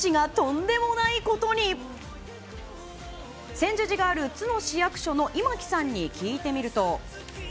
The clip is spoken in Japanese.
専修寺がある津の市役所の今城さんに聞いてみると。